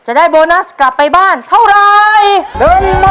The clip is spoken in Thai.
จะได้โบนัสกลับไปบ้านเท่าไร